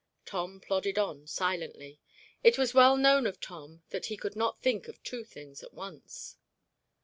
Tom plodded on silently. It was well known of Tom that he could not think of two things at once.